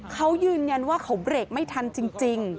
เขายืนยันว่าเขาเบรกไม่ทันจริง